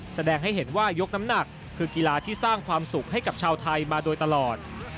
แสดงให้เห็นว่ายกน้ำหนักคือกีฬาที่สร้างความสุขให้กับชาวไทยมาโดยตลอด